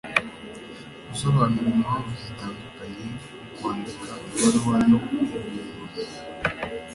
gusobanura impamvu zitandukanye mu kwandika ibaruwa yo mu buyobozi